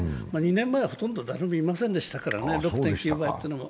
２年前はほとんど誰もいませんでしたからね、６．９倍というのも。